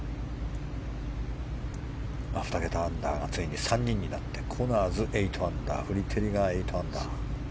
２桁アンダーがついに３人になってコナーズ、８アンダーフリテリ、８アンダー。